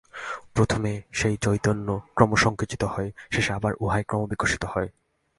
প্রথমে সেই চৈতন্যই ক্রমসঙ্কুচিত হয়, শেষে আবার উহাই ক্রমবিকশিত হয়।